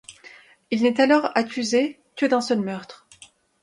Il n'est alors accusé que d'un seul meurtre.